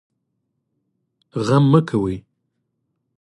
غم مه کوئ